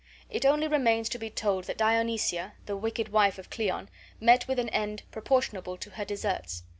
It only remains to be told that Dionysia, the wicked wife of Cleon, met with an end proportionable to her deserts.